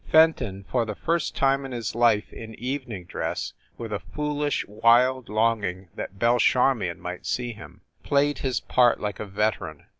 Fenton, for the first time in his life in evening dress, with a foolish wild longing that Belle Char mion might see him, played his part like a veteran.